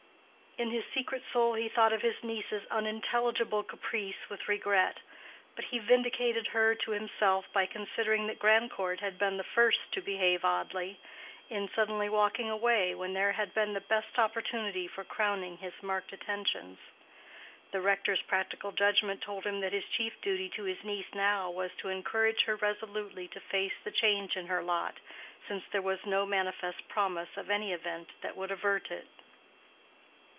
In his secret soul he thought of his niece's unintelligible caprice with regret, but he vindicated her to himself by considering that Grandcourt had been the first to behave oddly, in suddenly walking away when there had the best opportunity for crowning his marked attentions. The rector's practical judgment told him that his chief duty to his niece now was to encourage her resolutely to face the change in her lot, since there was no manifest promise of any event that would avert it.